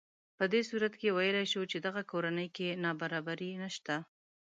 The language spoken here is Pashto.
په دې صورت کې ویلی شو چې دغه کورنۍ کې نابرابري نهشته